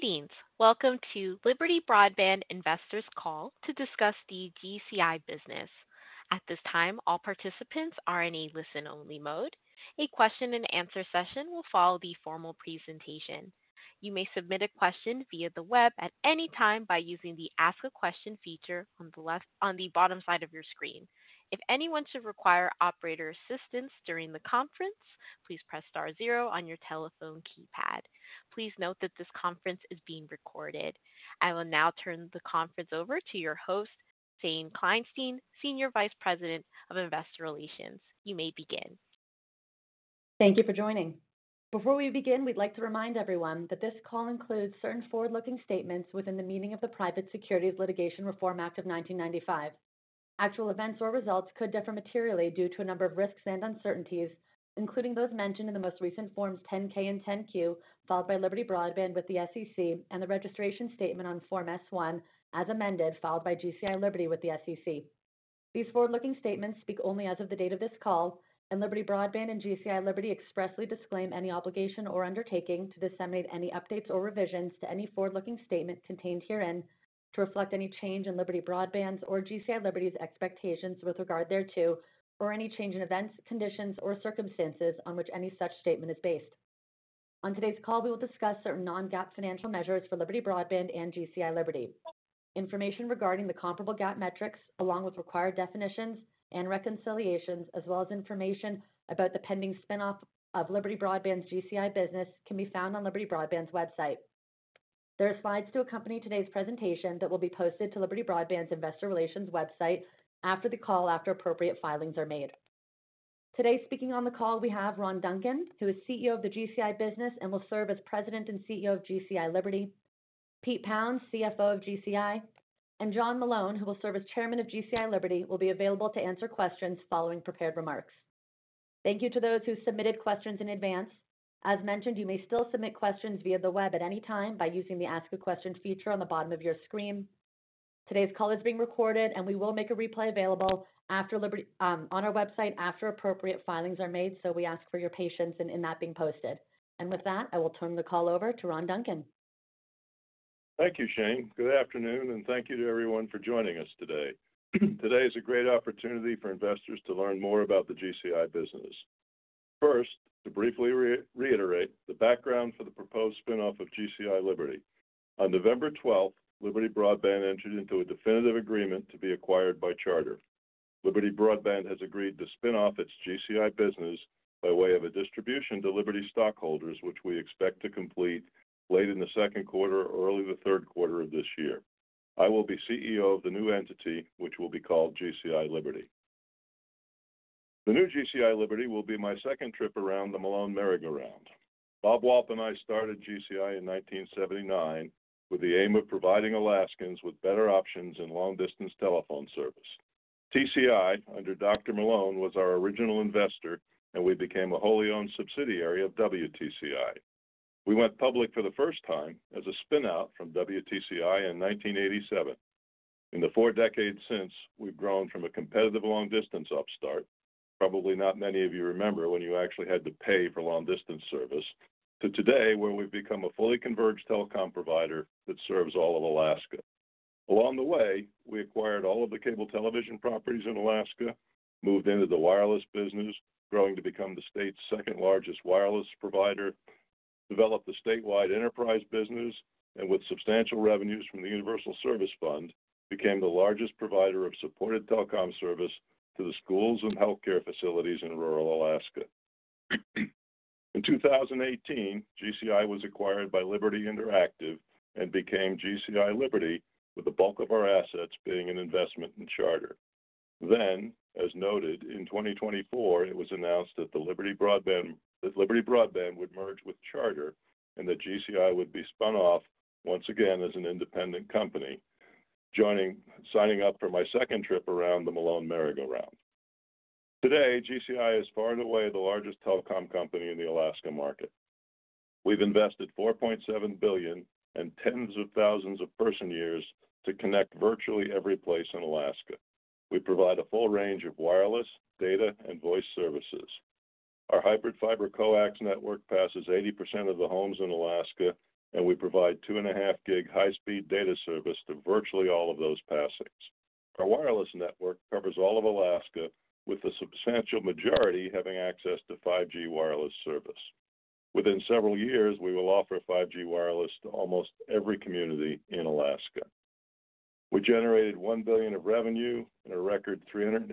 Greetings. Welcome to Liberty Broadband Investors' Call to discuss the GCI business. At this time, all participants are in a listen-only mode. A question-and-answer session will follow the formal presentation. You may submit a question via the web at any time by using the Ask a Question feature on the bottom side of your screen. If anyone should require operator assistance during the conference, please press star zero on your telephone keypad. Please note that this conference is being recorded. I will now turn the conference over to your host, Shane Kleinstein, Senior Vice President of Investor Relations. You may begin. Thank you for joining. Before we begin, we'd like to remind everyone that this call includes certain forward-looking statements within the meaning of the Private Securities Litigation Reform Act of 1995. Actual events or results could differ materially due to a number of risks and uncertainties, including those mentioned in the most recent Forms 10K and 10Q, filed by Liberty Broadband with the SEC and the registration statement on Form S1 as amended, filed by GCI Liberty with the SEC. These forward-looking statements speak only as of the date of this call, and Liberty Broadband and GCI Liberty expressly disclaim any obligation or undertaking to disseminate any updates or revisions to any forward-looking statement contained herein to reflect any change in Liberty Broadband's or GCI Liberty's expectations with regard thereto, or any change in events, conditions, or circumstances on which any such statement is based. On today's call, we will discuss certain non-GAAP financial measures for Liberty Broadband and GCI Liberty. Information regarding the comparable GAAP metrics, along with required definitions and reconciliations, as well as information about the pending spinoff of Liberty Broadband's GCI business, can be found on Liberty Broadband's website. There are slides to accompany today's presentation that will be posted to Liberty Broadband's Investor Relations website after the call, after appropriate filings are made. Today, speaking on the call, we have Ron Duncan, who is CEO of the GCI business and will serve as President and CEO of GCI Liberty; Pete Pounds, CFO of GCI; and John Malone, who will serve as Chairman of GCI Liberty, will be available to answer questions following prepared remarks. Thank you to those who submitted questions in advance. As mentioned, you may still submit questions via the web at any time by using the Ask a Question feature on the bottom of your screen. Today's call is being recorded, and we will make a replay available on our website after appropriate filings are made, so we ask for your patience in that being posted. With that, I will turn the call over to Ron Duncan. Thank you, Shane. Good afternoon, and thank you to everyone for joining us today. Today is a great opportunity for investors to learn more about the GCI business. First, to briefly reiterate the background for the proposed spinoff of GCI Liberty. On November 12th, Liberty Broadband entered into a definitive agreement to be acquired by Charter. Liberty Broadband has agreed to spinoff its GCI business by way of a distribution to Liberty stockholders, which we expect to complete late in the second quarter or early the third quarter of this year. I will be CEO of the new entity, which will be called GCI Liberty. The new GCI Liberty will be my second trip around the Malone merry-go-round. Bob Walt and I started GCI in 1979 with the aim of providing Alaskans with better options in long-distance telephone service. WTCI, under Dr. Malone was our original investor, and we became a wholly owned subsidiary of WTCI. We went public for the first time as a spinout from WTCI in 1987. In the four decades since, we've grown from a competitive long-distance upstart—probably not many of you remember when you actually had to pay for long-distance service—to today, where we've become a fully converged telecom provider that serves all of Alaska. Along the way, we acquired all of the cable television properties in Alaska, moved into the wireless business, growing to become the state's second largest wireless provider, developed the statewide enterprise business, and with substantial revenues from the Universal Service Fund, became the largest provider of supported telecom service to the schools and healthcare facilities in rural Alaska. In 2018, GCI was acquired by Liberty Interactive and became GCI Liberty, with the bulk of our assets being an investment in Charter. In 2024, it was announced that Liberty Broadband would merge with Charter Communications and that GCI would be spun off once again as an independent company, signing up for my second trip around the Malone merry-go-round. Today, GCI is far and away the largest telecom company in the Alaska market. We've invested $4.7 billion and tens of thousands of person-years to connect virtually every place in Alaska. We provide a full range of wireless, data, and voice services. Our hybrid fiber coax network passes 80% of the homes in Alaska, and we provide 2.5 Gbps high-speed data service to virtually all of those passings. Our wireless network covers all of Alaska, with the substantial majority having access to 5G wireless service. Within several years, we will offer 5G wireless to almost every community in Alaska. We generated $1 billion of revenue and a record $383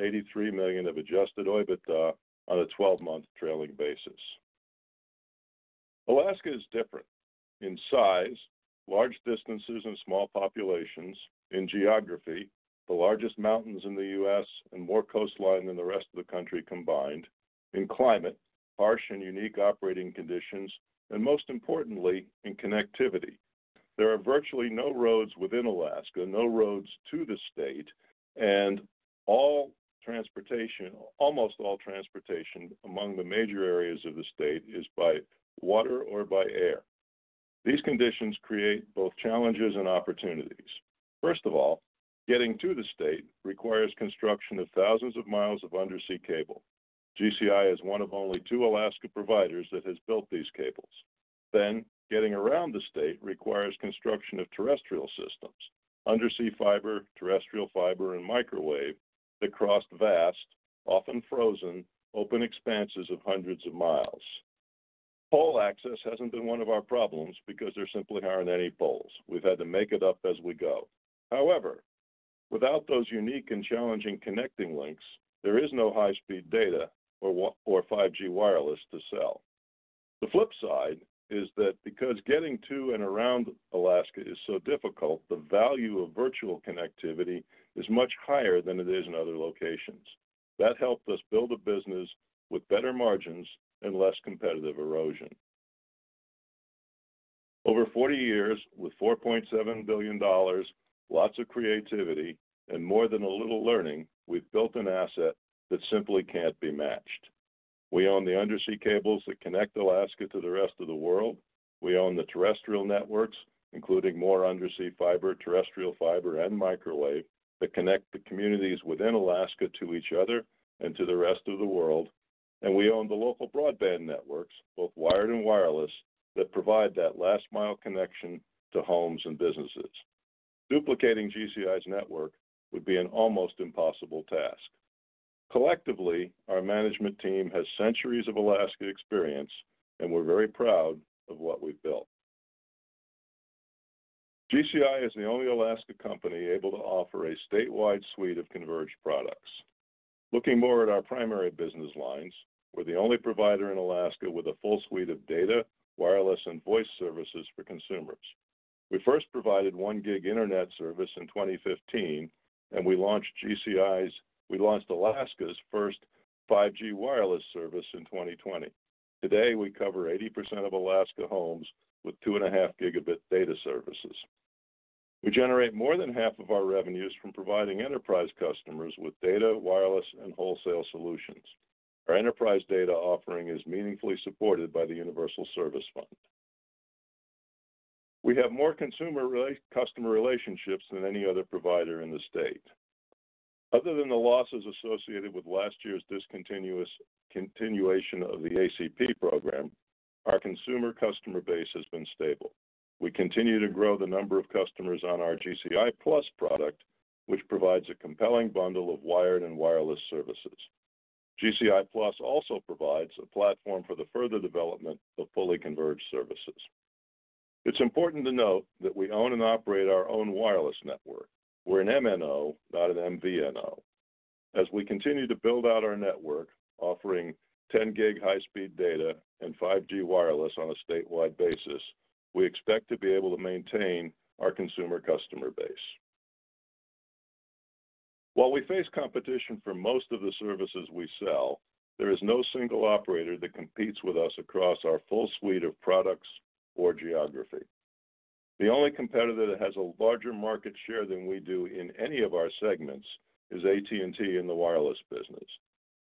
million of adjusted EBITDA on a 12-month trailing basis. Alaska is different in size, large distances and small populations, in geography, the largest mountains in the U.S. and more coastline than the rest of the country combined, in climate, harsh and unique operating conditions, and most importantly, in connectivity. There are virtually no roads within Alaska, no roads to the state, and almost all transportation among the major areas of the state is by water or by air. These conditions create both challenges and opportunities. First of all, getting to the state requires construction of thousands of miles of undersea cable. GCI is one of only two Alaska providers that has built these cables. Getting around the state requires construction of terrestrial systems: undersea fiber, terrestrial fiber, and microwave that cross vast, often frozen, open expanses of hundreds of miles. Pole access has not been one of our problems because there simply are not any poles. We have had to make it up as we go. However, without those unique and challenging connecting links, there is no high-speed data or 5G wireless to sell. The flip side is that because getting to and around Alaska is so difficult, the value of virtual connectivity is much higher than it is in other locations. That helped us build a business with better margins and less competitive erosion. Over 40 years, with $4.7 billion, lots of creativity, and more than a little learning, we have built an asset that simply cannot be matched. We own the undersea cables that connect Alaska to the rest of the world. We own the terrestrial networks, including more undersea fiber, terrestrial fiber, and microwave that connect the communities within Alaska to each other and to the rest of the world. We own the local broadband networks, both wired and wireless, that provide that last-mile connection to homes and businesses. Duplicating GCI's network would be an almost impossible task. Collectively, our management team has centuries of Alaska experience, and we're very proud of what we've built. GCI is the only Alaska company able to offer a statewide suite of converged products. Looking more at our primary business lines, we're the only provider in Alaska with a full suite of data, wireless, and voice services for consumers. We first provided 1 Gbps internet service in 2015, and we launched Alaska's first 5G wireless service in 2020. Today, we cover 80% of Alaska homes with 2.5 Gb data services. We generate more than half of our revenues from providing enterprise customers with data, wireless, and wholesale solutions. Our enterprise data offering is meaningfully supported by the Universal Service Fund. We have more consumer customer relationships than any other provider in the state. Other than the losses associated with last year's discontinuation of the ACP program, our consumer customer base has been stable. We continue to grow the number of customers on our GCI+ product, which provides a compelling bundle of wired and wireless services. GCI+ also provides a platform for the further development of fully converged services. It's important to note that we own and operate our own wireless network. We're an MNO, not an MVNO. As we continue to build out our network, offering 10 Gbps High-Speed Data and 5G Wireless on a statewide basis, we expect to be able to maintain our consumer customer base. While we face competition for most of the services we sell, there is no single operator that competes with us across our full suite of products or geography. The only competitor that has a larger market share than we do in any of our segments is AT&T in the wireless business.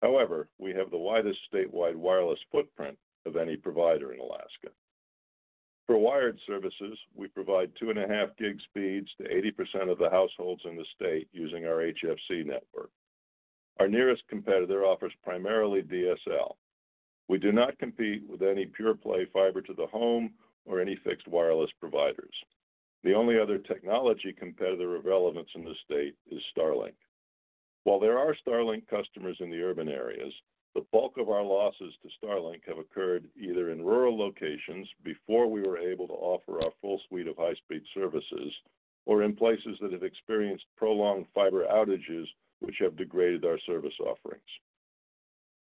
However, we have the widest statewide wireless footprint of any provider in Alaska. For wired services, we provide 2.5 Gbps speeds to 80% of the households in the state using our HFC network. Our nearest competitor offers primarily DSL. We do not compete with any pure-play fiber to the home or any fixed wireless providers. The only other technology competitor of relevance in the state is Starlink. While there are Starlink customers in the urban areas, the bulk of our losses to Starlink have occurred either in rural locations before we were able to offer our full suite of high-speed services, or in places that have experienced prolonged fiber outages, which have degraded our service offerings.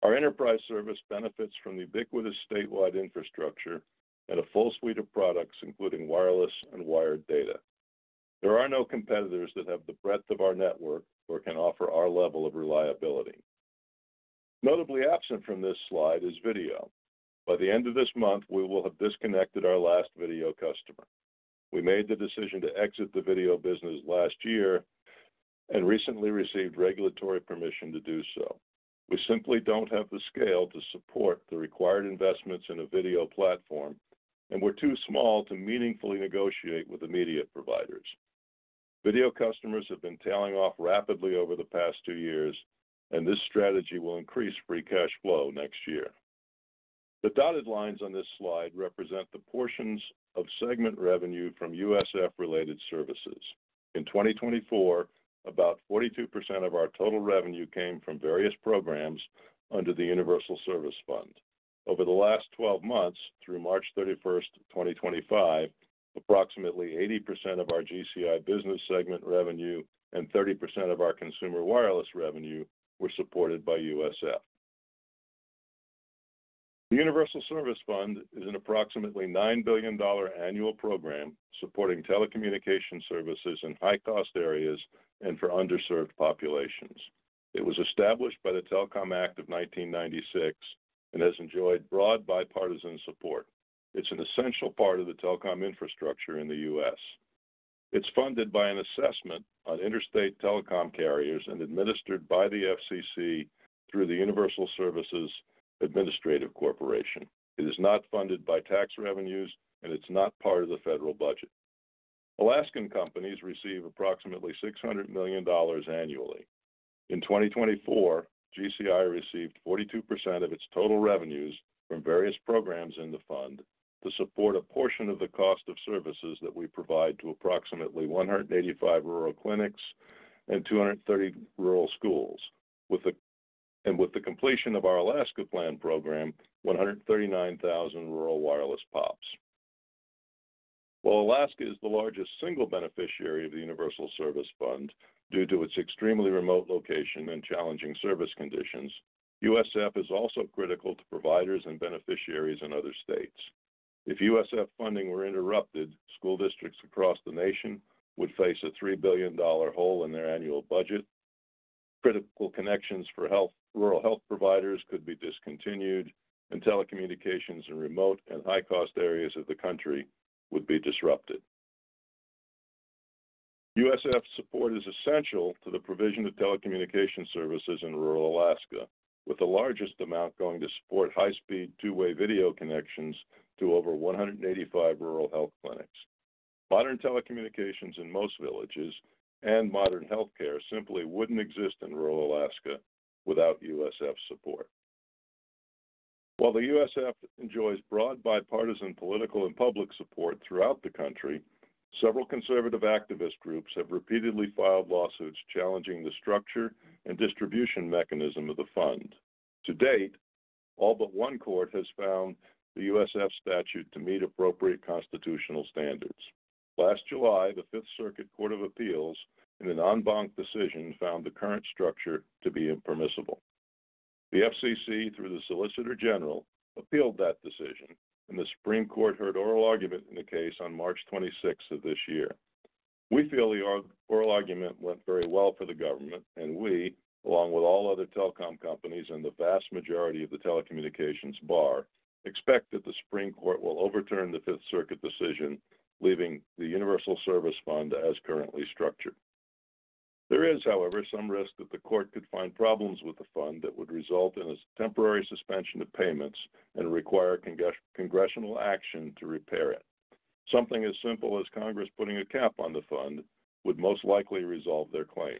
Our enterprise service benefits from the ubiquitous statewide infrastructure and a full suite of products, including wireless and wired data. There are no competitors that have the breadth of our network or can offer our level of reliability. Notably absent from this slide is video. By the end of this month, we will have disconnected our last video customer. We made the decision to exit the video business last year and recently received regulatory permission to do so. We simply don't have the scale to support the required investments in a video platform, and we're too small to meaningfully negotiate with immediate providers. Video customers have been tailing off rapidly over the past two years, and this strategy will increase free cash flow next year. The dotted lines on this slide represent the portions of segment revenue from USF-related services. In 2024, about 42% of our total revenue came from various programs under the Universal Service Fund. Over the last 12 months, through March 31st, 2025, approximately 80% of our GCI business segment revenue and 30% of our consumer wireless revenue were supported by USF. The Universal Service Fund is an approximately $9 billion annual program supporting telecommunication services in high-cost areas and for underserved populations. It was established by the Telecom Act of 1996 and has enjoyed broad bipartisan support. It's an essential part of the telecom infrastructure in the U.S. It's funded by an assessment on interstate telecom carriers and administered by the FCC through the Universal Services Administrative Corporation. It is not funded by tax revenues, and it's not part of the federal budget. Alaskan companies receive approximately $600 million annually. In 2024, GCI received 42% of its total revenues from various programs in the fund to support a portion of the cost of services that we provide to approximately 185 rural clinics and 230 rural schools, and with the completion of our Alaska Plan program, 139,000 rural wireless pops. While Alaska is the largest single beneficiary of the Universal Service Fund due to its extremely remote location and challenging service conditions, USF is also critical to providers and beneficiaries in other states. If USF funding were interrupted, school districts across the nation would face a $3 billion hole in their annual budget. Critical connections for rural health providers could be discontinued, and telecommunications in remote and high-cost areas of the country would be disrupted. USF support is essential to the provision of telecommunication services in rural Alaska, with the largest amount going to support high-speed two-way video connections to over 185 rural health clinics. Modern telecommunications in most villages and modern healthcare simply wouldn't exist in rural Alaska without USF support. While the USF enjoys broad bipartisan political and public support throughout the country, several conservative activist groups have repeatedly filed lawsuits challenging the structure and distribution mechanism of the fund. To date, all but one court has found the USF statute to meet appropriate constitutional standards. Last July, the Fifth Circuit Court of Appeals in an en banc decision found the current structure to be impermissible. The FCC, through the Solicitor General, appealed that decision, and the Supreme Court heard oral argument in the case on March 26th of this year. We feel the oral argument went very well for the government, and we, along with all other telecom companies and the vast majority of the telecommunications bar, expect that the Supreme Court will overturn the Fifth Circuit decision, leaving the Universal Service Fund as currently structured. There is, however, some risk that the court could find problems with the fund that would result in a temporary suspension of payments and require congressional action to repair it. Something as simple as Congress putting a cap on the fund would most likely resolve their claims.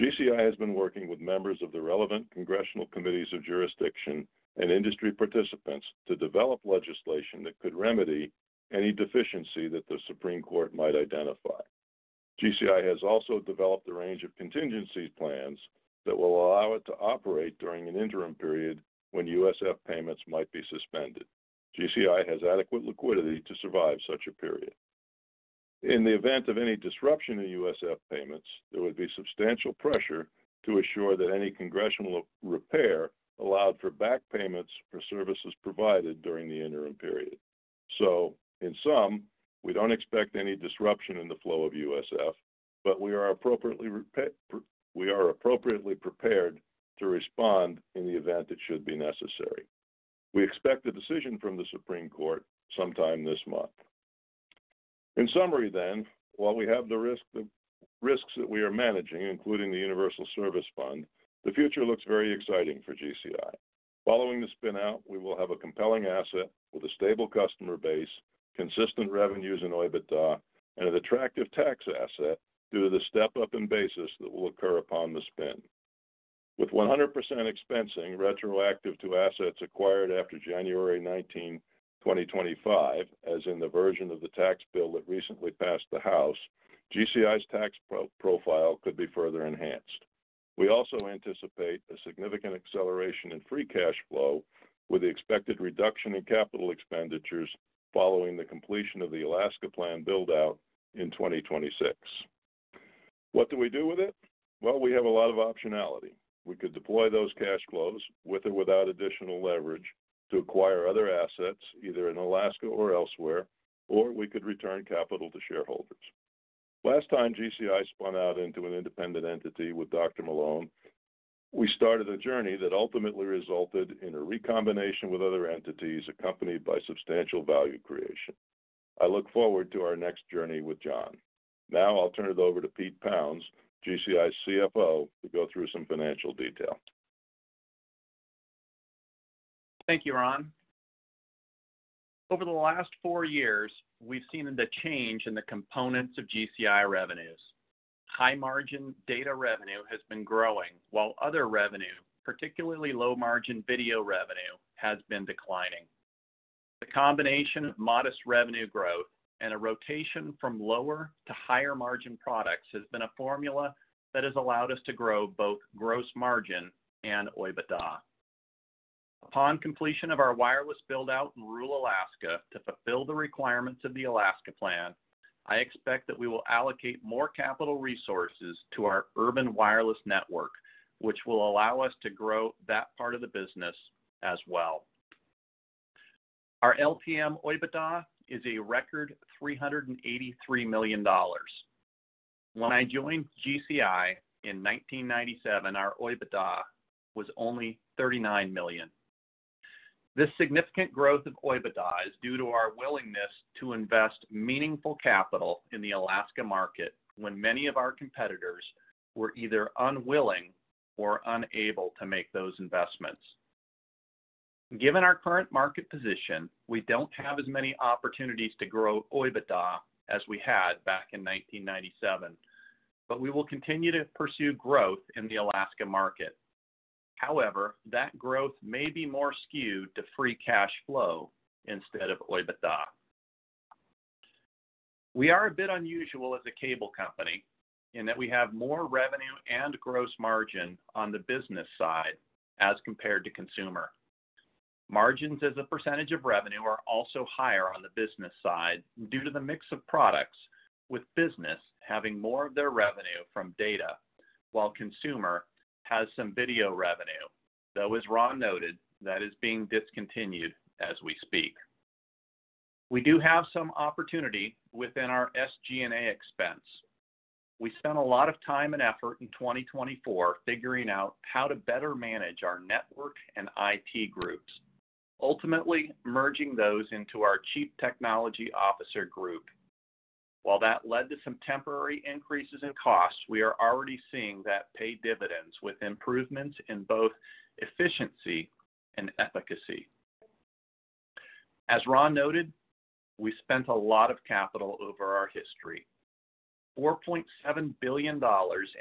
GCI has been working with members of the relevant congressional committees of jurisdiction and industry participants to develop legislation that could remedy any deficiency that the Supreme Court might identify. GCI has also developed a range of contingency plans that will allow it to operate during an interim period when USF payments might be suspended. GCI has adequate liquidity to survive such a period. In the event of any disruption in USF payments, there would be substantial pressure to assure that any congressional repair allowed for back payments for services provided during the interim period. In sum, we do not expect any disruption in the flow of USF, but we are appropriately prepared to respond in the event it should be necessary. We expect a decision from the Supreme Court sometime this month. In summary, then, while we have the risks that we are managing, including the Universal Service Fund, the future looks very exciting for GCI. Following the spin-out, we will have a compelling asset with a stable customer base, consistent revenues in EBITDA, and an attractive tax asset due to the step-up in basis that will occur upon the spin. With 100% expensing retroactive to assets acquired after January 19, 2025, as in the version of the tax bill that recently passed the House, GCI's tax profile could be further enhanced. We also anticipate a significant acceleration in free cash flow, with the expected reduction in capital expenditures following the completion of the Alaska Plan build-out in 2026. What do we do with it? We have a lot of optionality. We could deploy those cash flows with or without additional leverage to acquire other assets either in Alaska or elsewhere, or we could return capital to shareholders. Last time GCI spun out into an independent entity with Dr. Malone, we started a journey that ultimately resulted in a recombination with other entities accompanied by substantial value creation. I look forward to our next journey with John. Now I'll turn it over to Pete Pounds, GCI's CFO, to go through some financial detail. Thank you, Ron. Over the last four years, we've seen a change in the components of GCI revenues. High-margin data revenue has been growing, while other revenue, particularly low-margin video revenue, has been declining. The combination of modest revenue growth and a rotation from lower to higher-margin products has been a formula that has allowed us to grow both gross margin and EBITDA. Upon completion of our wireless build-out in rural Alaska to fulfill the requirements of the Alaska Plan, I expect that we will allocate more capital resources to our urban wireless network, which will allow us to grow that part of the business as well. Our LTM EBITDA is a record $383 million. When I joined GCI in 1997, our EBITDA was only $39 million. This significant growth of EBITDA is due to our willingness to invest meaningful capital in the Alaska market when many of our competitors were either unwilling or unable to make those investments. Given our current market position, we do not have as many opportunities to grow EBITDA as we had back in 1997, but we will continue to pursue growth in the Alaska market. However, that growth may be more skewed to free cash flow instead of EBITDA. We are a bit unusual as a cable company in that we have more revenue and gross margin on the business side as compared to consumer. Margins as a percentage of revenue are also higher on the business side due to the mix of products, with business having more of their revenue from data, while consumer has some video revenue, though, as Ron noted, that is being discontinued as we speak. We do have some opportunity within our SG&A expense. We spent a lot of time and effort in 2024 figuring out how to better manage our network and IT groups, ultimately merging those into our Chief Technology Officer group. While that led to some temporary increases in costs, we are already seeing that pay dividends with improvements in both efficiency and efficacy. As Ron noted, we spent a lot of capital over our history. $4.7 billion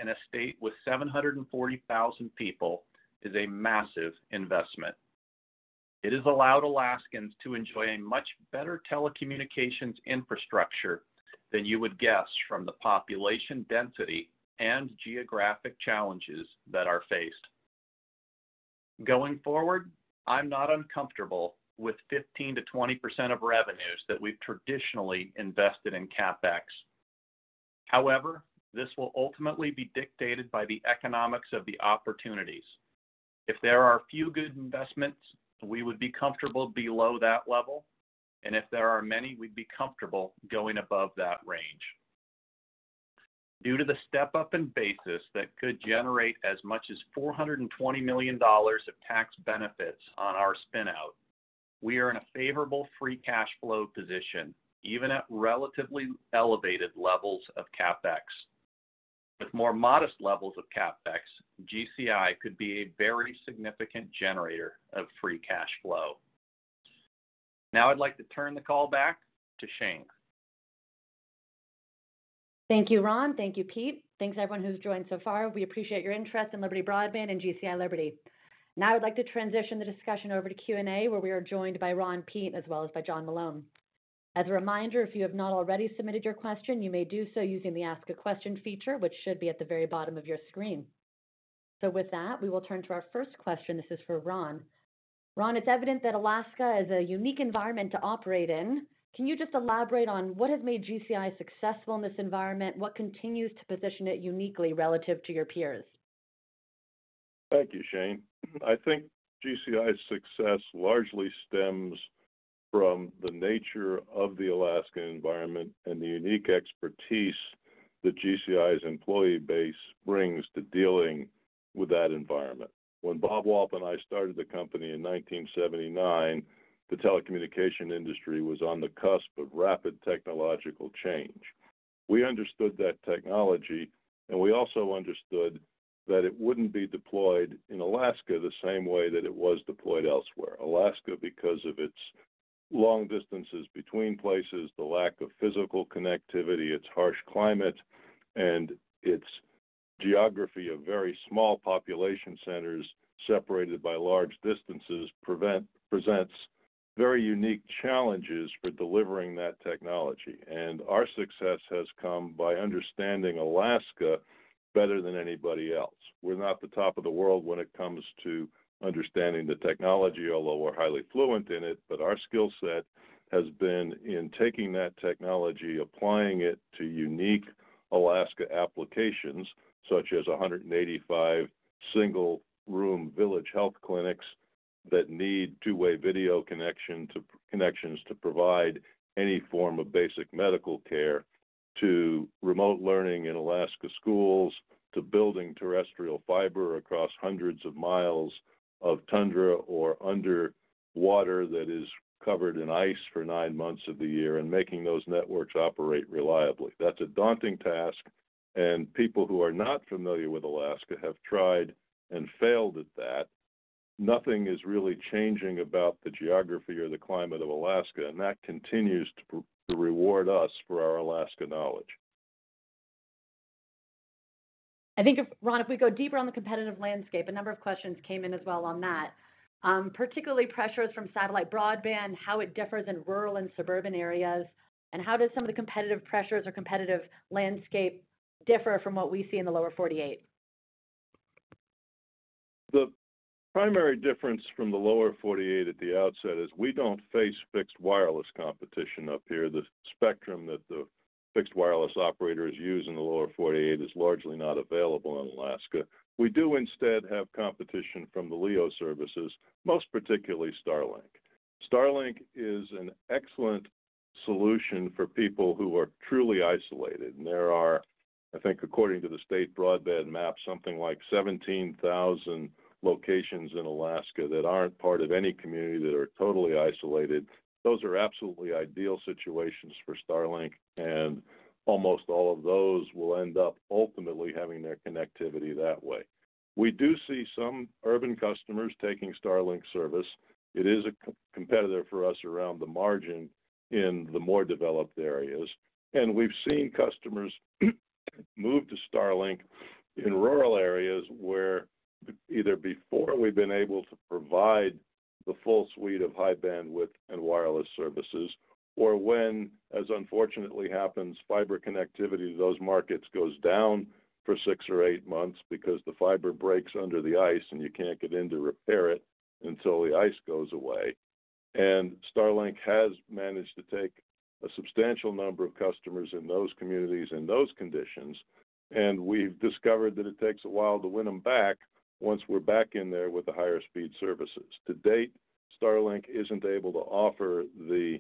in a state with 740,000 people is a massive investment. It has allowed Alaskans to enjoy a much better telecommunications infrastructure than you would guess from the population density and geographic challenges that are faced. Going forward, I'm not uncomfortable with 15%-20% of revenues that we've traditionally invested in CapEx. However, this will ultimately be dictated by the economics of the opportunities. If there are few good investments, we would be comfortable below that level, and if there are many, we'd be comfortable going above that range. Due to the step-up in basis that could generate as much as $420 million of tax benefits on our spin-out, we are in a favorable free cash flow position, even at relatively elevated levels of CapEx. With more modest levels of CapEx, GCI could be a very significant generator of free cash flow. Now I'd like to turn the call back to Shane. Thank you, Ron. Thank you, Pete. Thanks to everyone who's joined so far. We appreciate your interest in Liberty Broadband and GCI Liberty. Now I'd like to transition the discussion over to Q&A, where we are joined by Ron, Pete, as well as by John Malone. As a reminder, if you have not already submitted your question, you may do so using the Ask a Question feature, which should be at the very bottom of your screen. With that, we will turn to our first question. This is for Ron. Ron, it's evident that Alaska is a unique environment to operate in. Can you just elaborate on what has made GCI successful in this environment? What continues to position it uniquely relative to your peers? Thank you, Shane. I think GCI's success largely stems from the nature of the Alaskan environment and the unique expertise that GCI's employee base brings to dealing with that environment. When Bob Walt and I started the company in 1979, the telecommunication industry was on the cusp of rapid technological change. We understood that technology, and we also understood that it would not be deployed in Alaska the same way that it was deployed elsewhere. Alaska, because of its long distances between places, the lack of physical connectivity, its harsh climate, and its geography of very small population centers separated by large distances, presents very unique challenges for delivering that technology. Our success has come by understanding Alaska better than anybody else. We're not the top of the world when it comes to understanding the technology, although we're highly fluent in it, but our skill set has been in taking that technology, applying it to unique Alaska applications, such as 185 single-room village health clinics that need two-way video connections to provide any form of basic medical care, to remote learning in Alaska schools, to building terrestrial fiber across hundreds of miles of tundra or underwater that is covered in ice for nine months of the year, and making those networks operate reliably. That's a daunting task, and people who are not familiar with Alaska have tried and failed at that. Nothing is really changing about the geography or the climate of Alaska, and that continues to reward us for our Alaska knowledge. I think, Ron, if we go deeper on the competitive landscape, a number of questions came in as well on that, particularly pressures from satellite broadband, how it differs in rural and suburban areas, and how do some of the competitive pressures or competitive landscape differ from what we see in the lower 48? The primary difference from the lower 48 at the outset is we do not face fixed wireless competition up here. The spectrum that the fixed wireless operators use in the lower 48 is largely not available in Alaska. We do instead have competition from the LEO services, most particularly Starlink. Starlink is an excellent solution for people who are truly isolated. There are, I think, according to the state broadband map, something like 17,000 locations in Alaska that are not part of any community that are totally isolated. Those are absolutely ideal situations for Starlink, and almost all of those will end up ultimately having their connectivity that way. We do see some urban customers taking Starlink service. It is a competitor for us around the margin in the more developed areas. We have seen customers move to Starlink in rural areas where either before we have been able to provide the full suite of high bandwidth and wireless services, or when, as unfortunately happens, fiber connectivity to those markets goes down for six or eight months because the fiber breaks under the ice and you cannot get in to repair it until the ice goes away. Starlink has managed to take a substantial number of customers in those communities in those conditions, and we have discovered that it takes a while to win them back once we are back in there with the higher speed services. To date, Starlink is not able to offer the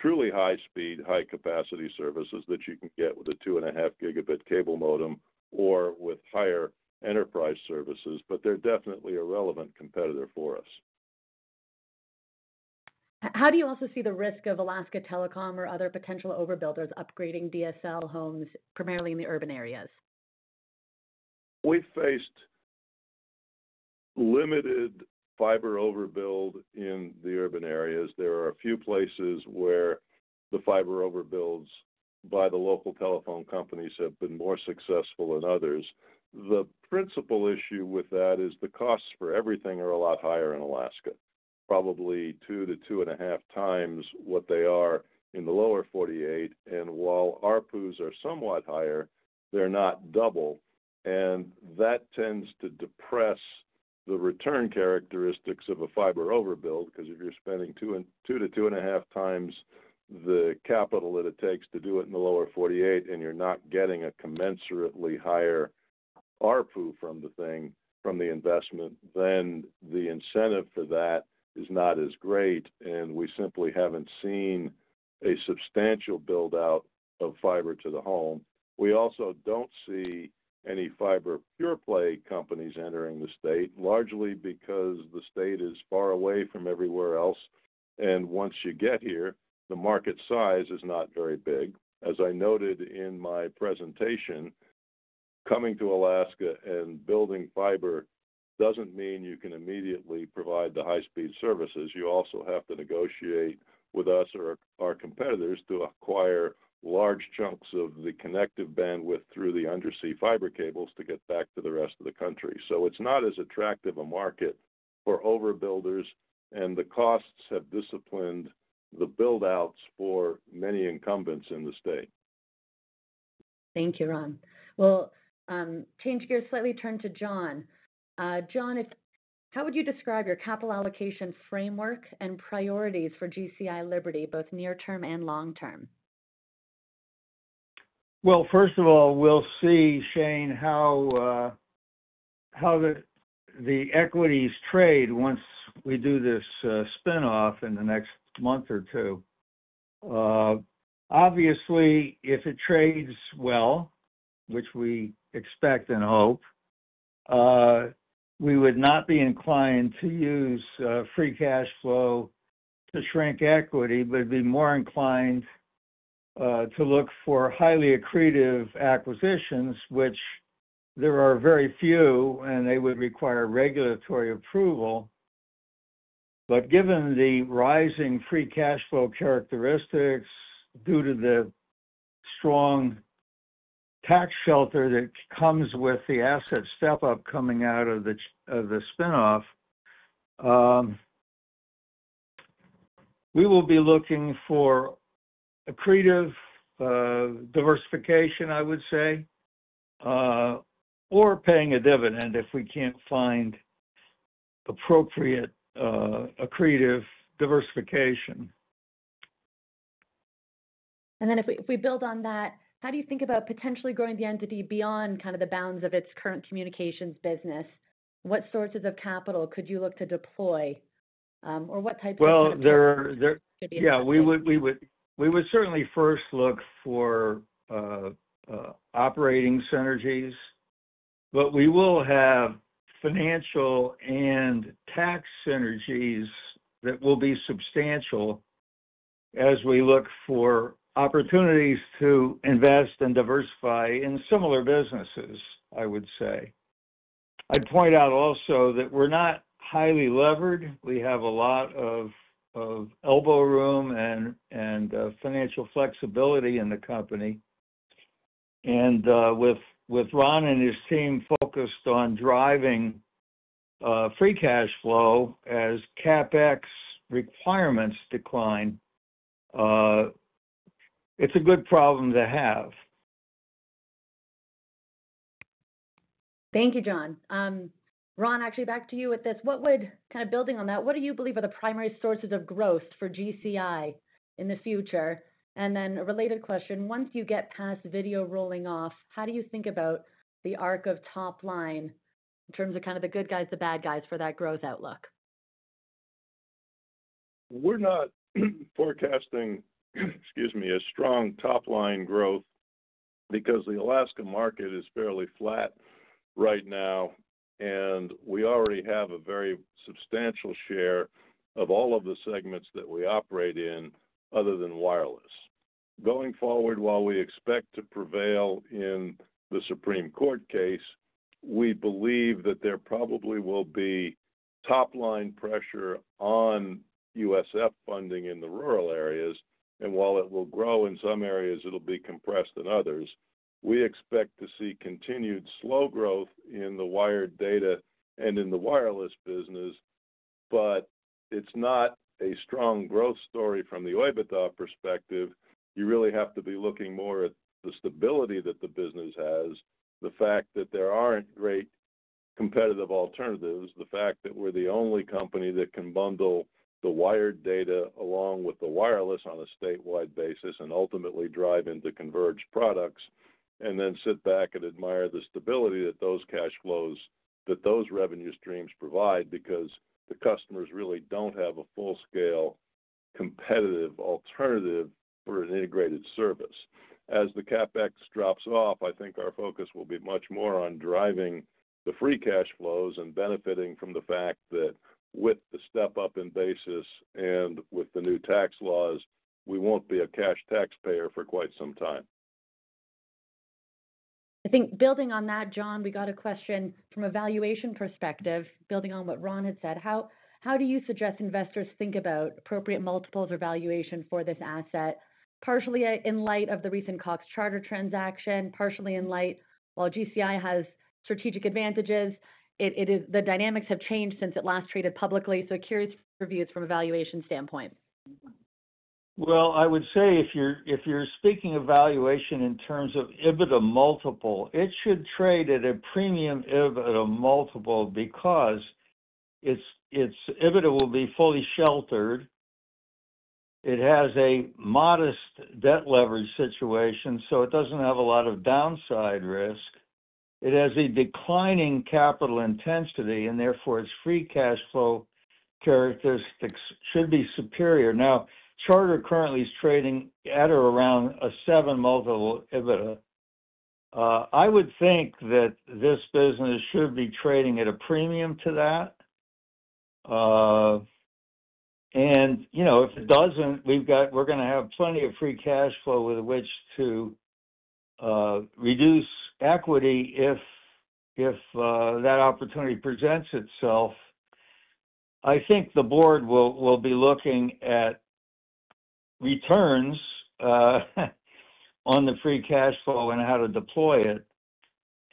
truly high speed, high capacity services that you can get with a 2.5 Gb cable modem or with higher enterprise services, but they are definitely a relevant competitor for us. How do you also see the risk of Alaska Telecom or other potential overbuilders upgrading DSL homes, primarily in the urban areas? We've faced limited fiber overbuild in the urban areas. There are a few places where the fiber overbuilds by the local telephone companies have been more successful than others. The principal issue with that is the costs for everything are a lot higher in Alaska, probably 2x-2.5x what they are in the lower 48. While our RPUs are somewhat higher, they're not double, and that tends to depress the return characteristics of a fiber overbuild because if you're spending 2x-2.5x the capital that it takes to do it in the lower 48 and you're not getting a commensurately higher RPU from the thing, from the investment, then the incentive for that is not as great, and we simply haven't seen a substantial build-out of fiber to the home. We also don't see any fiber pure play companies entering the state, largely because the state is far away from everywhere else, and once you get here, the market size is not very big. As I noted in my presentation, coming to Alaska and building fiber doesn't mean you can immediately provide the high speed services. You also have to negotiate with us or our competitors to acquire large chunks of the connective bandwidth through the undersea fiber cables to get back to the rest of the country. It is not as attractive a market for overbuilders, and the costs have disciplined the build-outs for many incumbents in the state. Thank you, Ron. We'll change gears slightly, turn to John. John, how would you describe your capital allocation framework and priorities for GCI Liberty, both near term and long term? First of all, we'll see, Shane, how the equities trade once we do this spin-off in the next month or two. Obviously, if it trades well, which we expect and hope, we would not be inclined to use free cash flow to shrink equity, but we'd be more inclined to look for highly accretive acquisitions, which there are very few, and they would require regulatory approval. Given the rising free cash flow characteristics due to the strong tax shelter that comes with the asset step-up coming out of the spin-off, we will be looking for accretive diversification, I would say, or paying a dividend if we can't find appropriate accretive diversification. If we build on that, how do you think about potentially growing the entity beyond kind of the bounds of its current communications business? What sources of capital could you look to deploy, or what types of? Yeah, we would certainly first look for operating synergies, but we will have financial and tax synergies that will be substantial as we look for opportunities to invest and diversify in similar businesses, I would say. I'd point out also that we're not highly levered. We have a lot of elbow room and financial flexibility in the company. With Ron and his team focused on driving free cash flow as CapEx requirements decline, it's a good problem to have. Thank you, John. Ron, actually, back to you with this. Kind of building on that, what do you believe are the primary sources of growth for GCI in the future? A related question, once you get past video rolling off, how do you think about the arc of top line in terms of kind of the good guys, the bad guys for that growth outlook? We're not forecasting, excuse me, a strong top line growth because the Alaska market is fairly flat right now, and we already have a very substantial share of all of the segments that we operate in other than wireless. Going forward, while we expect to prevail in the Supreme Court case, we believe that there probably will be top line pressure on USF funding in the rural areas, and while it will grow in some areas, it'll be compressed in others. We expect to see continued slow growth in the wired data and in the wireless business, but it's not a strong growth story from the Liberty Broadband perspective. You really have to be looking more at the stability that the business has, the fact that there aren't great competitive alternatives, the fact that we're the only company that can bundle the wired data along with the wireless on a statewide basis and ultimately drive into converged products, and then sit back and admire the stability that those cash flows, that those revenue streams provide because the customers really don't have a full-scale competitive alternative for an integrated service. As the CapEx drops off, I think our focus will be much more on driving the free cash flows and benefiting from the fact that with the step-up in basis and with the new tax laws, we won't be a cash taxpayer for quite some time. I think building on that, John, we got a question from a valuation perspective, building on what Ron had said. How do you suggest investors think about appropriate multiples or valuation for this asset, partially in light of the recent Cox Communications Charter Communications transaction, partially in light while GCI has strategic advantages? The dynamics have changed since it last traded publicly, so curious for views from a valuation standpoint. If you're speaking of valuation in terms of EBITDA multiple, it should trade at a premium EBITDA multiple because its EBITDA will be fully sheltered. It has a modest debt leverage situation, so it doesn't have a lot of downside risk. It has a declining capital intensity, and therefore its free cash flow characteristics should be superior. Now, Charter currently is trading at or around a seven multiple EBITDA. I would think that this business should be trading at a premium to that. If it doesn't, we're going to have plenty of free cash flow with which to reduce equity if that opportunity presents itself. I think the board will be looking at returns on the free cash flow and how to deploy it.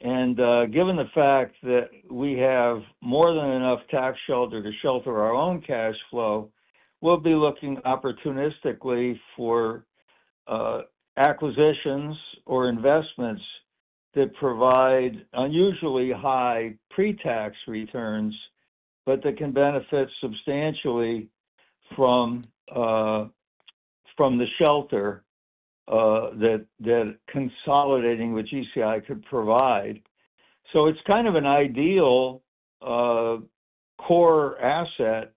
Given the fact that we have more than enough tax shelter to shelter our own cash flow, we'll be looking opportunistically for acquisitions or investments that provide unusually high pre-tax returns, but that can benefit substantially from the shelter that consolidating with GCI could provide. It is kind of an ideal core asset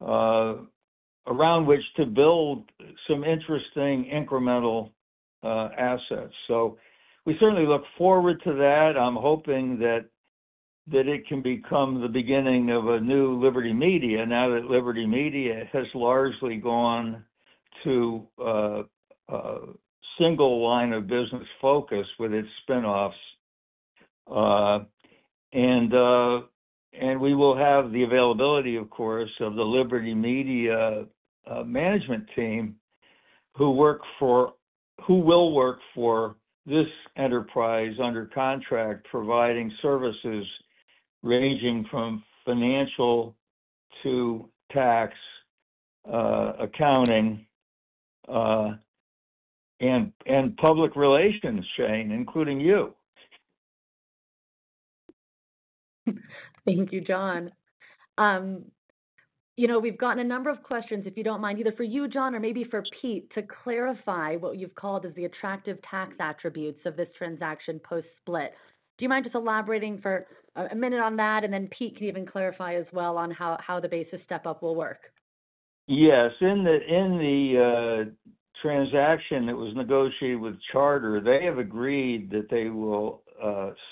around which to build some interesting incremental assets. We certainly look forward to that. I'm hoping that it can become the beginning of a new Liberty Media now that Liberty Media has largely gone to single line of business focus with its spin-offs. We will have the availability, of course, of the Liberty Media management team who will work for this enterprise under contract, providing services ranging from financial to tax accounting and public relations, Shane, including you. Thank you, John. We've gotten a number of questions, if you don't mind, either for you, John, or maybe for Pete, to clarify what you've called as the attractive tax attributes of this transaction post-split. Do you mind just elaborating for a minute on that, and then Pete can even clarify as well on how the basis step-up will work? Yes. In the transaction that was negotiated with Charter, they have agreed that they will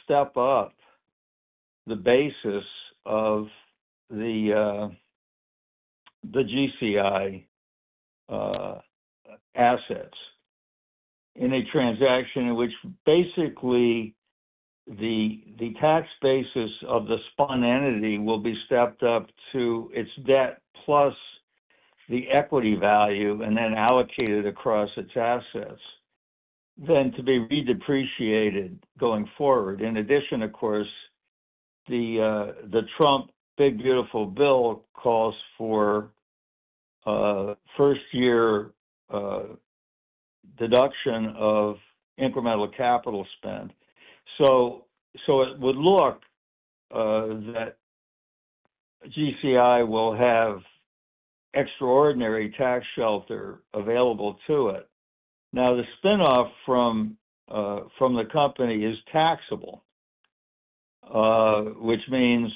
step up the basis of the GCI assets in a transaction in which basically the tax basis of the spun entity will be stepped up to its debt plus the equity value and then allocated across its assets, then to be redepreciated going forward. In addition, of course, the Trump Big Beautiful Bill calls for first-year deduction of incremental capital spend. It would look that GCI will have extraordinary tax shelter available to it. Now, the spin-off from the company is taxable, which means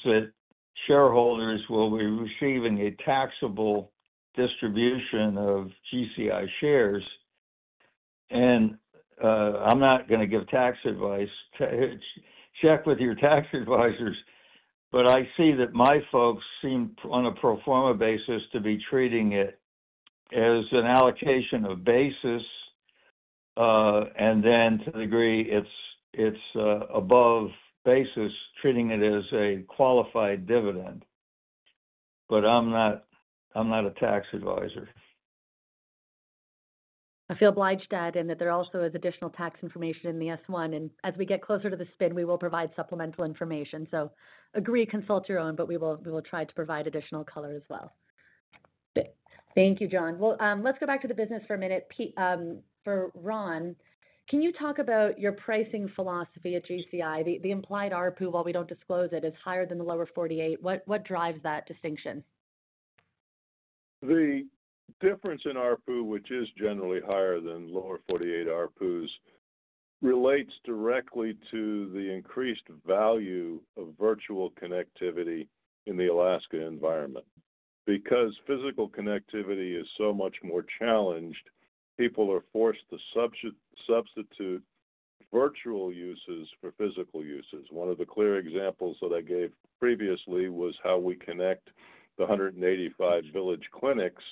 that shareholders will be receiving a taxable distribution of GCI shares. I'm not going to give tax advice. Check with your tax advisors, but I see that my folks seem on a pro forma basis to be treating it as an allocation of basis, and then to the degree it's above basis, treating it as a qualified dividend. I'm not a tax advisor. I feel obliged to add in that there also is additional tax information in the S1, and as we get closer to the spin, we will provide supplemental information. Agree, consult your own, but we will try to provide additional color as well. Thank you, John. Let us go back to the business for a minute. Pete, for Ron, can you talk about your pricing philosophy at GCI? The implied RPU, while we do not disclose it, is higher than the lower 48. What drives that distinction? The difference in RPU, which is generally higher than lower 48 RPUs, relates directly to the increased value of virtual connectivity in the Alaska environment. Because physical connectivity is so much more challenged, people are forced to substitute virtual uses for physical uses. One of the clear examples that I gave previously was how we connect the 185 village clinics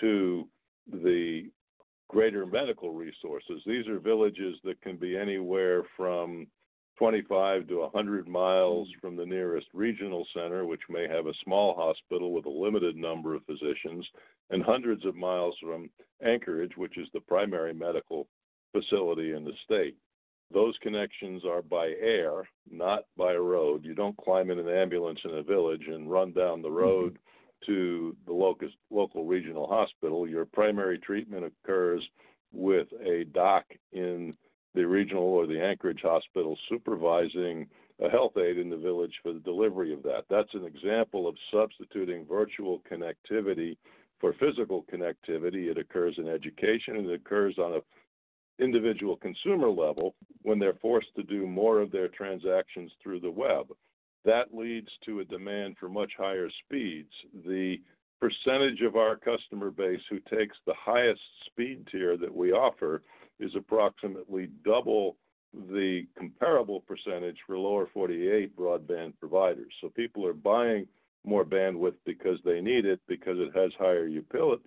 to the greater medical resources. These are villages that can be anywhere from 25 mi-100 mi from the nearest regional center, which may have a small hospital with a limited number of physicians, and hundreds of miles from Anchorage, which is the primary medical facility in the state. Those connections are by air, not by road. You don't climb in an ambulance in a village and run down the road to the local regional hospital. Your primary treatment occurs with a doc in the regional or the Anchorage hospital supervising a health aide in the village for the delivery of that. That's an example of substituting virtual connectivity for physical connectivity. It occurs in education, and it occurs on an individual consumer level when they're forced to do more of their transactions through the web. That leads to a demand for much higher speeds. The percentage of our customer base who takes the highest speed tier that we offer is approximately double the comparable percentage for lower 48 broadband providers. People are buying more bandwidth because they need it, because it has higher utility.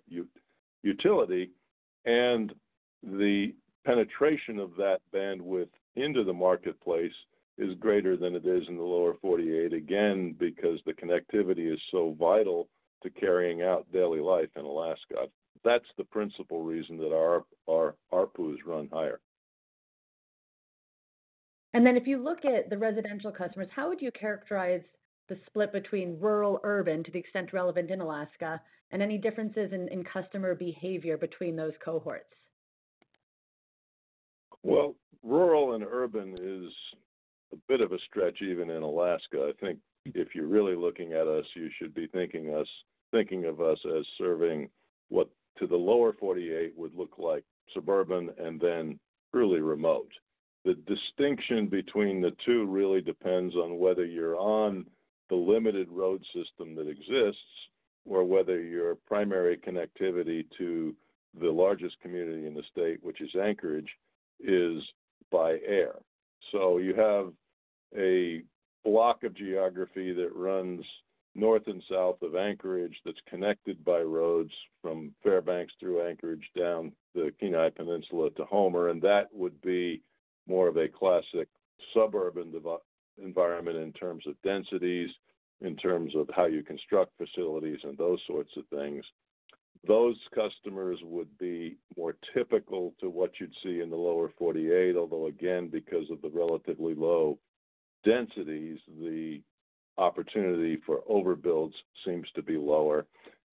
The penetration of that bandwidth into the marketplace is greater than it is in the lower 48, again, because the connectivity is so vital to carrying out daily life in Alaska. That's the principal reason that our RPUs run higher. If you look at the residential customers, how would you characterize the split between rural/urban to the extent relevant in Alaska, and any differences in customer behavior between those cohorts? Rural and urban is a bit of a stretch even in Alaska. I think if you're really looking at us, you should be thinking of us as serving what to the lower 48 would look like suburban and then truly remote. The distinction between the two really depends on whether you're on the limited road system that exists or whether your primary connectivity to the largest community in the state, which is Anchorage, is by air. You have a block of geography that runs north and south of Anchorage that's connected by roads from Fairbanks through Anchorage down the Kenai Peninsula to Homer. That would be more of a classic suburban environment in terms of densities, in terms of how you construct facilities and those sorts of things. Those customers would be more typical to what you'd see in the lower 48, although again, because of the relatively low densities, the opportunity for overbuilds seems to be lower.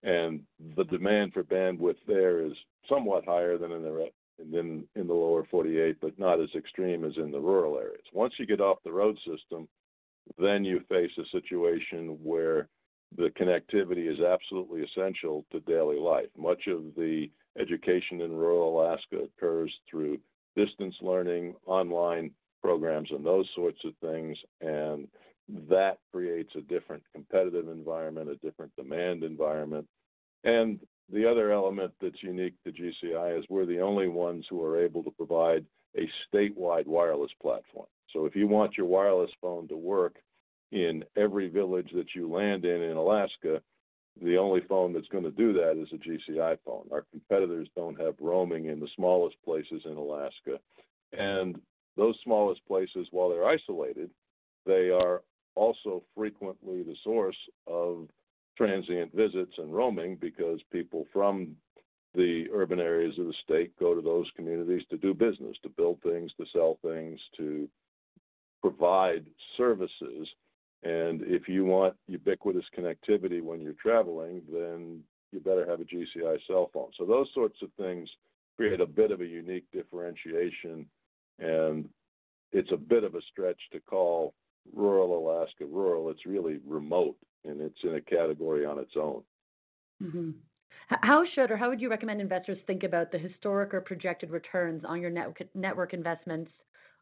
The demand for bandwidth there is somewhat higher than in the lower 48, but not as extreme as in the rural areas. Once you get off the road system, you face a situation where the connectivity is absolutely essential to daily life. Much of the education in rural Alaska occurs through distance learning, online programs, and those sorts of things, and that creates a different competitive environment, a different demand environment. The other element that's unique to GCI is we're the only ones who are able to provide a statewide wireless platform. If you want your wireless phone to work in every village that you land in in Alaska, the only phone that's going to do that is a GCI phone. Our competitors don't have roaming in the smallest places in Alaska. Those smallest places, while they're isolated, are also frequently the source of transient visits and roaming because people from the urban areas of the state go to those communities to do business, to build things, to sell things, to provide services. If you want ubiquitous connectivity when you're traveling, you better have a GCI cell phone. Those sorts of things create a bit of a unique differentiation, and it's a bit of a stretch to call rural Alaska rural. It's really remote, and it's in a category on its own. How should or how would you recommend investors think about the historic or projected returns on your network investments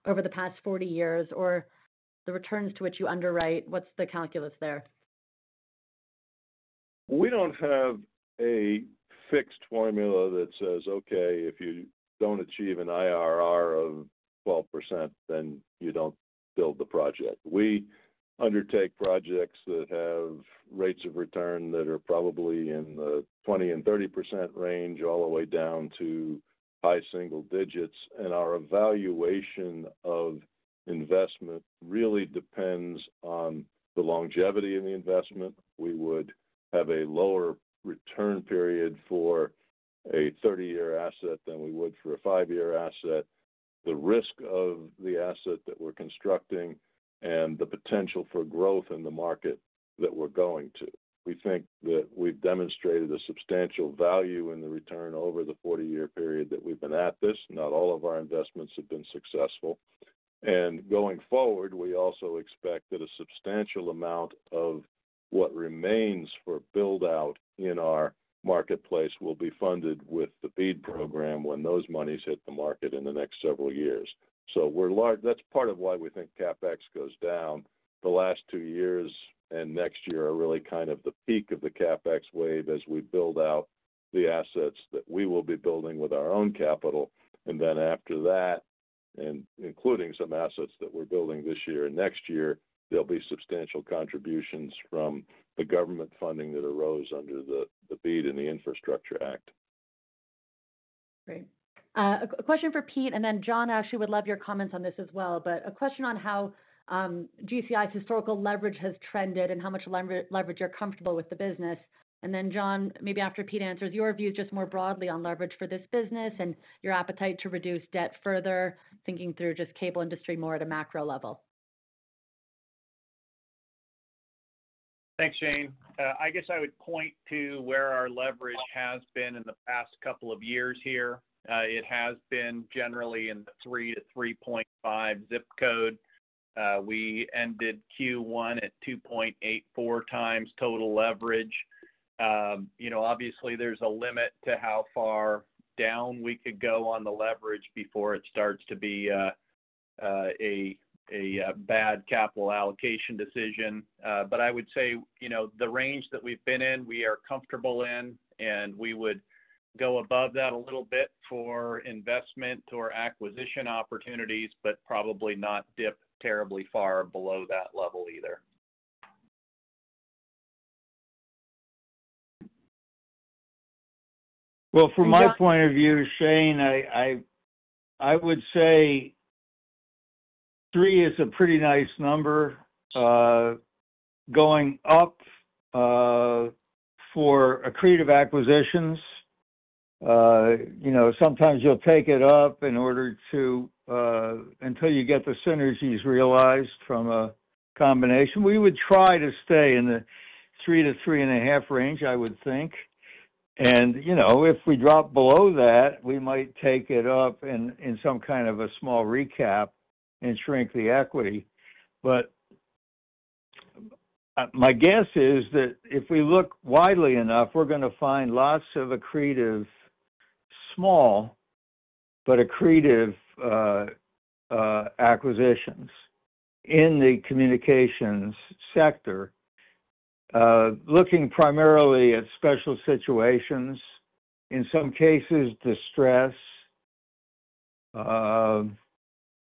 over the past 40 years or the returns to which you underwrite? What's the calculus there? We don't have a fixed formula that says, "Okay, if you don't achieve an IRR of 12%, then you don't build the project." We undertake projects that have rates of return that are probably in the 20%-30% range all the way down to high single digits. Our evaluation of investment really depends on the longevity of the investment. We would have a lower return period for a 30-year asset than we would for a 5-year asset. The risk of the asset that we're constructing and the potential for growth in the market that we're going to. We think that we've demonstrated a substantial value in the return over the 40-year period that we've been at this. Not all of our investments have been successful. Going forward, we also expect that a substantial amount of what remains for build-out in our marketplace will be funded with the BEAD program when those monies hit the market in the next several years. That is part of why we think CapEx goes down. The last two years and next year are really kind of the peak of the CapEx wave as we build out the assets that we will be building with our own capital. After that, and including some assets that we are building this year and next year, there will be substantial contributions from the government funding that arose under the BEAD and the Infrastructure Act. Great. A question for Pete, and then John actually would love your comments on this as well, but a question on how GCI's historical leverage has trended and how much leverage you're comfortable with the business. Then John, maybe after Pete answers, your views just more broadly on leverage for this business and your appetite to reduce debt further, thinking through just cable industry more at a macro level. Thanks, Shane. I guess I would point to where our leverage has been in the past couple of years here. It has been generally in the 3-3.5 zip code. We ended Q1 at 2.84x total leverage. Obviously, there is a limit to how far down we could go on the leverage before it starts to be a bad capital allocation decision. I would say the range that we have been in, we are comfortable in, and we would go above that a little bit for investment or acquisition opportunities, but probably not dip terribly far below that level either. From my point of view, Shane, I would say three is a pretty nice number. Going up for accretive acquisitions, sometimes you'll take it up in order to until you get the synergies realized from a combination. We would try to stay in the three to 3.5 range, I would think. If we drop below that, we might take it up in some kind of a small recap and shrink the equity. My guess is that if we look widely enough, we're going to find lots of accretive small but accretive acquisitions in the communications sector, looking primarily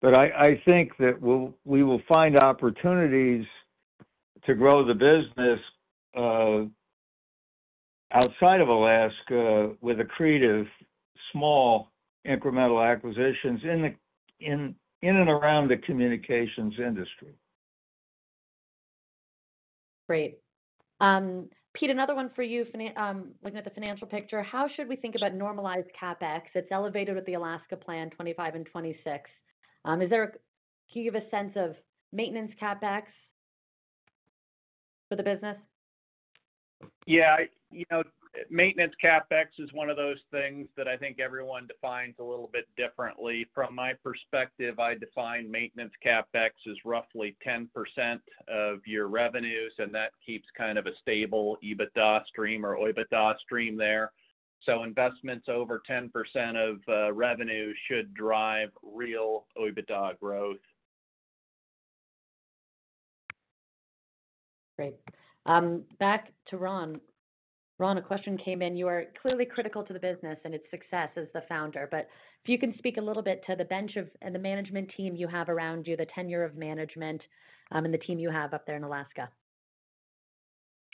at special situations, in some cases distress. I think that we will find opportunities to grow the business outside of Alaska with accretive small incremental acquisitions in and around the communications industry. Great. Pete, another one for you. Looking at the financial picture, how should we think about normalized CapEx? It's elevated with the Alaska Plan 2025 and 2026. Can you give a sense of maintenance CapEx for the business? Yeah. Maintenance CapEx is one of those things that I think everyone defines a little bit differently. From my perspective, I define maintenance CapEx as roughly 10% of your revenues, and that keeps kind of a stable EBITDA stream or EBITDA stream there. Investments over 10% of revenue should drive real EBITDA growth. Great. Back to Ron. Ron, a question came in. You are clearly critical to the business and its success as the founder, but if you can speak a little bit to the bench and the management team you have around you, the tenure of management and the team you have up there in Alaska.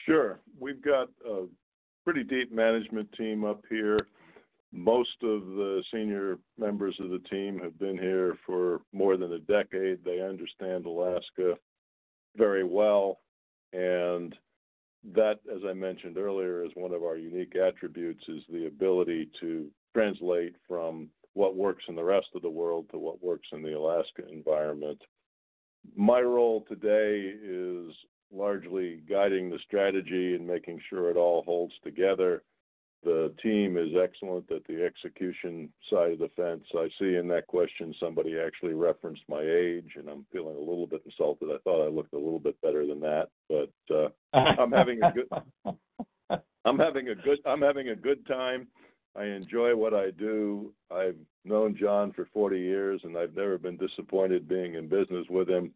Sure. We've got a pretty deep management team up here. Most of the senior members of the team have been here for more than a decade. They understand Alaska very well. That, as I mentioned earlier, is one of our unique attributes, the ability to translate from what works in the rest of the world to what works in the Alaska environment. My role today is largely guiding the strategy and making sure it all holds together. The team is excellent at the execution side of the fence. I see in that question somebody actually referenced my age, and I'm feeling a little bit insulted. I thought I looked a little bit better than that, but I'm having a good time. I enjoy what I do. I've known John for 40 years, and I've never been disappointed being in business with him.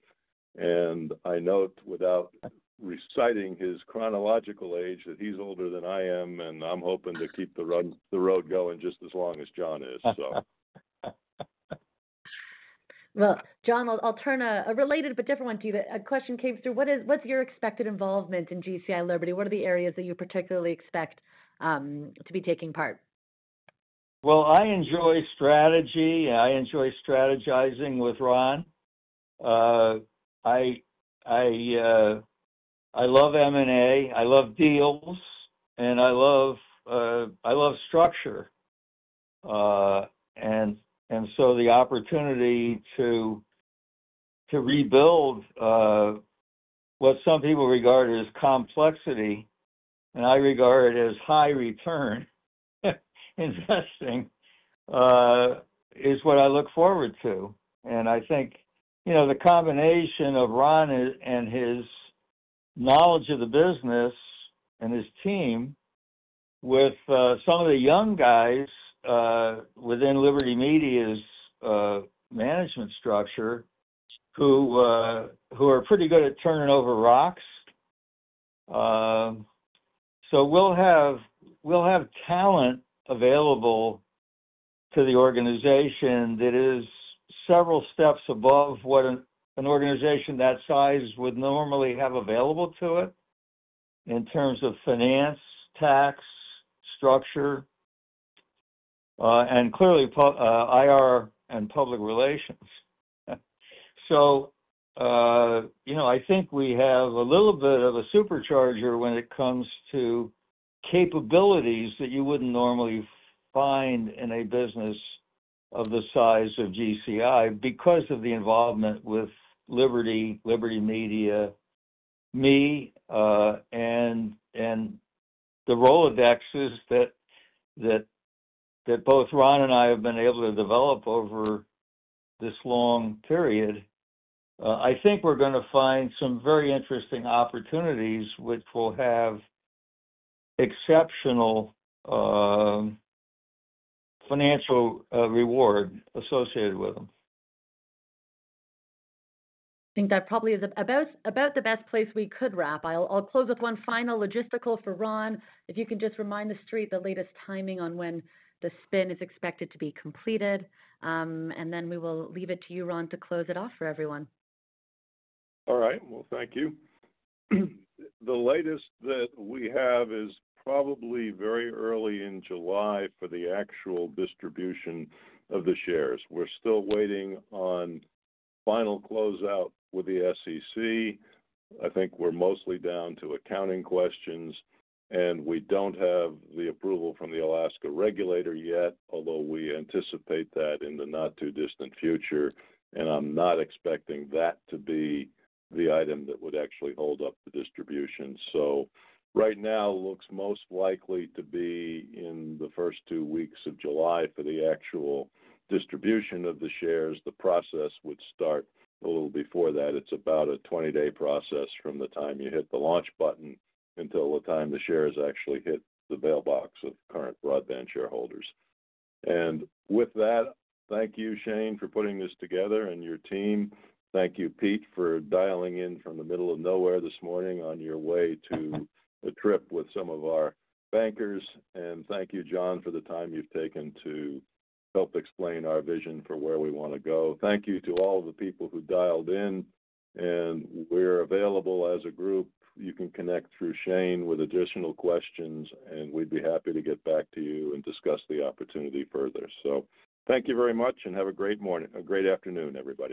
I note, without reciting his chronological age, that he's older than I am, and I'm hoping to keep the road going just as long as John is, so. John, I'll turn a related but different one to you. A question came through. What's your expected involvement in GCI Liberty? What are the areas that you particularly expect to be taking part? I enjoy strategy. I enjoy strategizing with Ron. I love M&A. I love deals, and I love structure. The opportunity to rebuild what some people regard as complexity, and I regard it as high return investing, is what I look forward to. I think the combination of Ron and his knowledge of the business and his team with some of the young guys within Liberty Media's management structure who are pretty good at turning over rocks. We'll have talent available to the organization that is several steps above what an organization that size would normally have available to it in terms of finance, tax, structure, and clearly IR and public relations. I think we have a little bit of a supercharger when it comes to capabilities that you would not normally find in a business of the size of GCI because of the involvement with Liberty, Liberty Media, me, and the Rolodexes that both Ron and I have been able to develop over this long period. I think we are going to find some very interesting opportunities which will have exceptional financial reward associated with them. I think that probably is about the best place we could wrap. I'll close with one final logistical for Ron. If you can just remind the street the latest timing on when the spin is expected to be completed. And then we will leave it to you, Ron, to close it off for everyone. All right. Thank you. The latest that we have is probably very early in July for the actual distribution of the shares. We're still waiting on final closeout with the SEC. I think we're mostly down to accounting questions, and we don't have the approval from the Alaska regulator yet, although we anticipate that in the not-too-distant future. I'm not expecting that to be the item that would actually hold up the distribution. Right now, it looks most likely to be in the first two weeks of July for the actual distribution of the shares. The process would start a little before that. It's about a 20-day process from the time you hit the launch button until the time the shares actually hit the mailbox of current Broadband Shareholders. Thank you, Shane, for putting this together and your team. Thank you, Pete, for dialing in from the middle of nowhere this morning on your way to a trip with some of our bankers. Thank you, John, for the time you have taken to help explain our vision for where we want to go. Thank you to all of the people who dialed in. We are available as a group. You can connect through Shane with additional questions, and we would be happy to get back to you and discuss the opportunity further. Thank you very much, and have a great morning, a great afternoon, everybody.